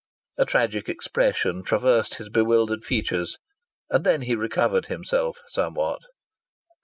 A tragic expression traversed his bewildered features and then he recovered himself somewhat.